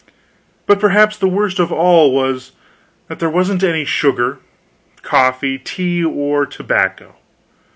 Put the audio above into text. But perhaps the worst of all was, that there wasn't any sugar, coffee, tea, or tobacco.